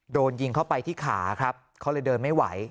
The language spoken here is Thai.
โดนยิงเข้าไปที่ขาครับเขาเลยเดินไม่ไหว